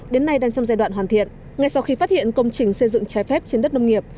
đến nay đang trong giai đoạn hoàn thiện ngay sau khi phát hiện công trình xây dựng trái phép trên đất nông nghiệp